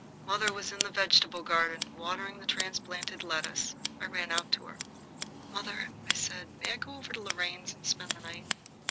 Mother was in the vegetable garden watering the transplanted lettuce. I ran out to her. "Mother," I said, "may I go over to Lorraine's and spend the night?"